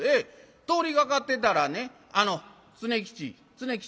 通りがかってたらね『常吉常吉。